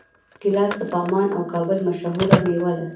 ګیلاس د پغمان او کابل مشهوره میوه ده.